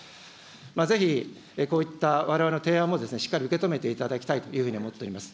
ぜひこういったわれわれの提案もしっかり受け止めていただきたいというふうに思っております。